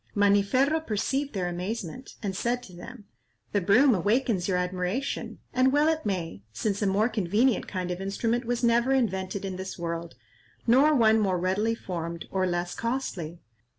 Maniferro perceived their amazement, and said to them, "The broom awakens your admiration,—and well it may, since a more convenient kind of instrument was never invented in this world, nor one more readily formed, or less costly.